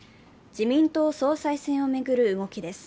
自民党総裁選を巡る動きです。